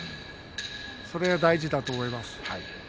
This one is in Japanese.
それが大事だと思います。